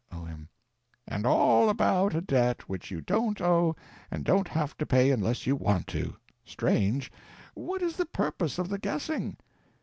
O.M. And all about a debt which you don't owe and don't have to pay unless you want to! Strange. What is the purpose of the guessing?